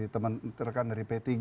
teman teman dari p tiga